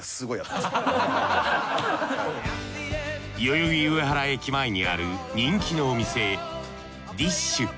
代々木上原駅前にある人気のお店